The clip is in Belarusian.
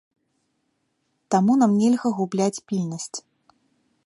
Таму нам нельга губляць пільнасць.